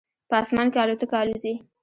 په اسمان کې الوتکه الوزي